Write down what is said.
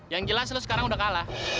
yang jelas lo sekarang udah kalah